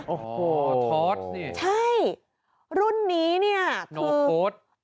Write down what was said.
โอ้โหทอสนี่ใช่รุ่นนี้นี่คือโนฟุต